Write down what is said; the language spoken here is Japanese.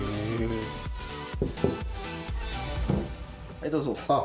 はいどうぞ。